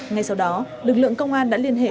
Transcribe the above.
ngay sau đó lực lượng công an đã liên hệ